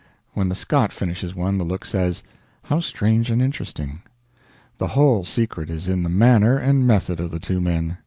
When the Scot finishes one, the look says, "How strange and interesting." The whole secret is in the manner and method of the two men.